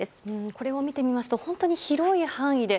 これを見てみますと本当に広い範囲で